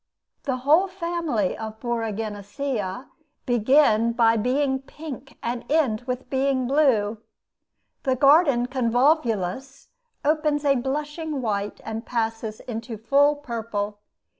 The whole family of Boraginaceae begin by being pink and end with being blue. The garden convolvulus opens a blushing white and passes into full purple.